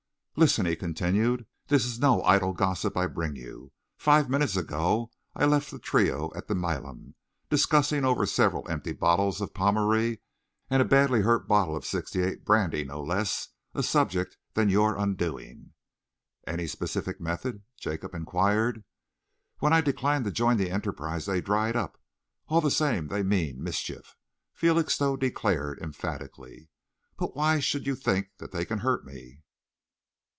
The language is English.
"Listen," he continued, "this is no idle gossip I bring you. Five minutes ago I left the trio at the Milan, discussing over several empty bottles of Pommery and a badly hurt bottle of '68 brandy no less a subject than your undoing." "Any specific method?" Jacob enquired. "When I declined to join the enterprise, they dried up. All the same they mean mischief," Felixstowe declared emphatically. "But why should you think that they can hurt me?"